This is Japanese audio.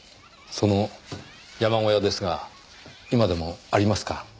その山小屋ですが今でもありますか？